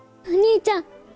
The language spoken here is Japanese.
お兄ちゃん。